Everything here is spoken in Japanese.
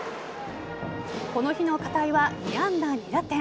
この日の片井は２安打２打点。